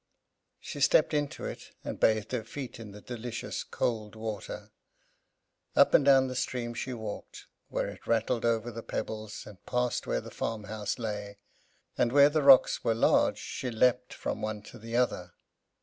She stepped into it, and bathed her feet in the delicious cold water. Up and up the stream she walked, where it rattled over the pebbles, and past where the farmhouse lay; and where the rocks were large she leaped from one to the other.